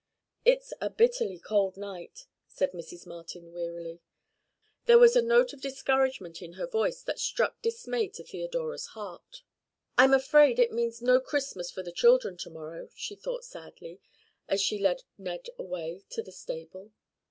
"It's a bitterly cold night," said Mrs. Martin wearily. There was a note of discouragement in her voice that struck dismay to Theodora's heart. "I'm afraid it means no Christmas for the children tomorrow," she thought sadly, as she led Ned away to the stable.